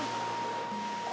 coba kita tunggu di situ aja yuk